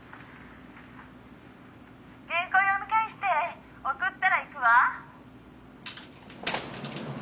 「原稿を読み返して送ったら行くわ」